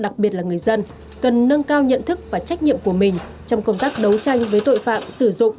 cần nâng cao nhận thức và trách nhiệm của mình trong công tác đấu tranh với tội phạm sử dụng